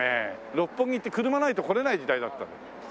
六本木って車ないと来れない時代だったの。